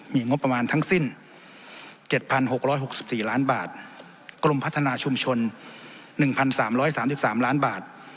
มีงบประมาณทั้งสิ้นเจ็ดพันหกร้อยหกสิบสี่ล้านบาทกรมพัฒนาชุมชนหนึ่งพันสามร้อยสามสิบสามล้านบาท